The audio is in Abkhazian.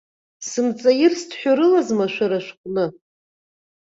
Сымҵаирст ҳәа рылазма шәара шәҟны?